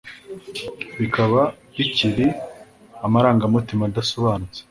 Bikaba bikiri amarangamutima adasobanutse